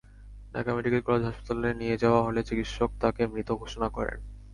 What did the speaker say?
Dhaka medical college হাসপাতালে নিয়ে যাওয়া হলে চিকিৎসক তাঁকে মৃত ঘোষণা করেন।